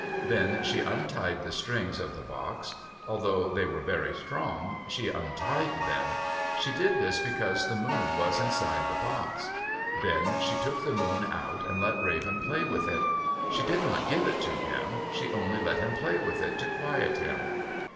Then she untied the strings of the box. Although they were very strong, she untied them. She did this because the moon was inside the box. Then she took the moon out and let Raven play with it. She did not give it to him; she only let him play with it to quiet him.